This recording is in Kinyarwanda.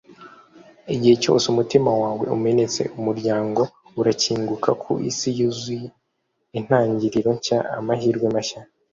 igihe cyose umutima wawe umenetse, umuryango urakinguka ku isi yuzuye intangiriro nshya, amahirwe mashya